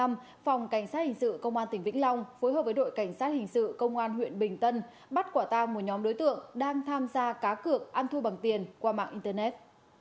phòng cảnh sát hình sự công an tỉnh vĩnh long phối hợp với đội cảnh sát hình sự công an huyện bình tân bắt quả tang một nhóm đối tượng đang tham gia cá cược ăn thua bằng tiền qua mạng internet